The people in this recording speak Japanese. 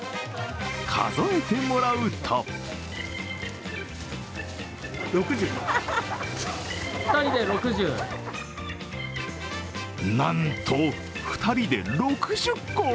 数えてもらうとなんと、２人で６０個！